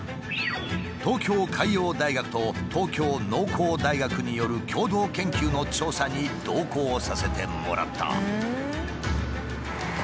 東京海洋大学と東京農工大学による共同研究の調査に同行させてもらった。